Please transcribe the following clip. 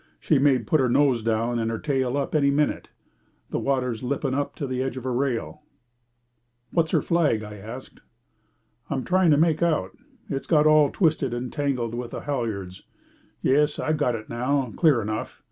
"She may put her nose down and her tail up any minute. The water's lipping up to the edge of her rail." "What's her flag?" I asked. "I'm trying to make out. It's got all twisted and tangled with the halyards. Yes, I've got it now, clear enough.